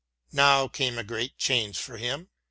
Now came a great change for him.